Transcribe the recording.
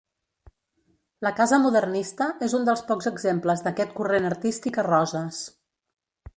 La casa modernista és un dels pocs exemples d'aquest corrent artístic a Roses.